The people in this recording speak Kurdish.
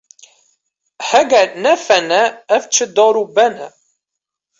Heke ne fen e, ev çi dar û ben e.